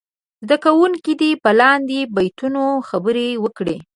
زده کوونکي دې په لاندې بیتونو خبرې وکړي.